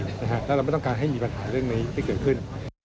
แล้วเราไม่ต้องการให้มีปัญหาเรื่องนี้ที่เกิดขึ้น